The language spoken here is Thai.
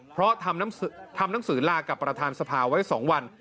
เพราะทำหนังสือลากับประธานสภาไว้๒วัน